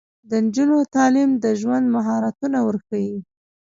د نجونو تعلیم د ژوند مهارتونه ورښيي.